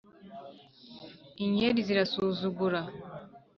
Ingeri zirasuzugura